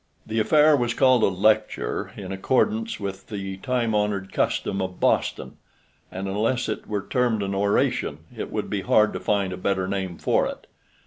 The affair was called a "lecture" in accordance with the time honored custom of Boston, and unless it were termed an oration, it would be hard to find a better name for it.